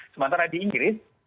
sementara di inggris